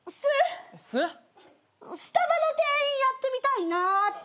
スタバの店員やってみたいなって。